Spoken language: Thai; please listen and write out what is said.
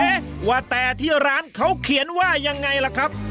ว่าแต่ที่ร้านเขาเขียนว่ายังไงล่ะครับ